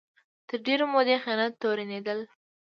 تر ډېرې مودې خیانت تورنېدل